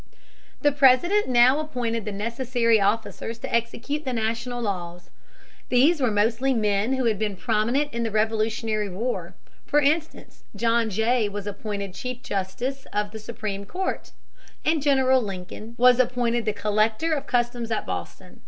The President now appointed the necessary officers to execute the national laws. These were mostly men who had been prominent in the Revolutionary War. For instance, John Jay (p. 126) was appointed Chief Justice of the Supreme Court, and General Lincoln (p. 134) was appointed Collector of Customs at Boston.